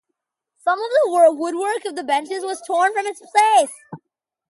Some of the woodwork of the benches was torn from its place.